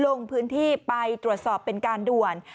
ลงพื้นที่ไปตรวจสอบเป็นการด่วน